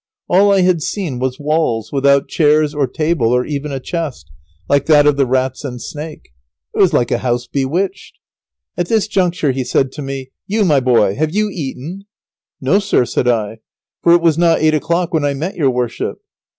All I had seen was walls, without chairs or table, or even a chest, like that of the rats and snake. It was like a house bewitched. At this juncture he said to me, "You, my boy! have you eaten?" "No, sir," said I, "for it was not eight o'clock when I met your worship."